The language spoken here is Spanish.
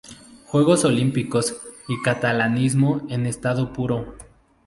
Juegos Olímpicos y catalanismo en estado puro.